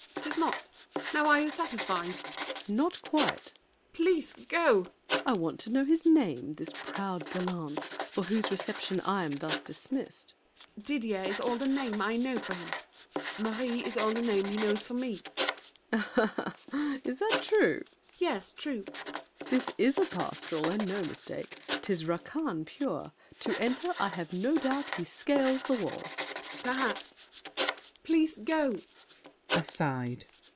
] 'Tis not. Now are you satisfied? SAVERNY. Not quite! MARION. Please go! SAVERNY. I want to know his name, this proud gallant, For whose reception I am thus dismissed. MARION. Didier is all the name I know for him. Marie is all the name he knows for me. SAVERNY. Is't true? MARION. Yes, true! SAVERNY. This is a pastoral, And no mistake. 'Tis Racan, pure! To enter, I have no doubt he scales the wall. MARION. Perhaps. Please go! [Aside.